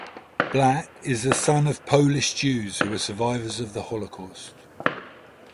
Black is the son of Polish Jews who were survivors of the Holocaust.